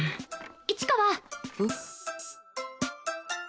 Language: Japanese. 市川。